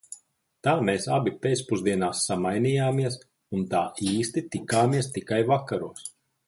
Tā mēs abi pēcpusdienās samainījāmies un tā īsti tikāmies tikai vakaros.